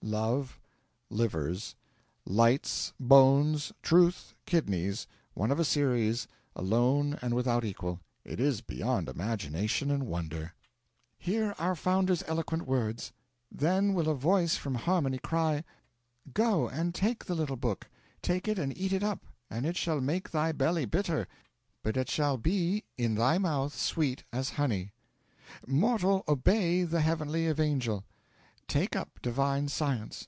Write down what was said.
'Love, Livers, Lights, Bones, Truth, Kidneys, one of a series, alone and without equal it is beyond imagination and wonder!' 'Hear our Founder's eloquent words: "Then will a voice from harmony cry, 'Go and take the little book; take it and eat it up, and it shall make thy belly bitter; but it shall be in thy mouth sweet as honey.' Mortal, obey the heavenly evangel. Take up Divine Science.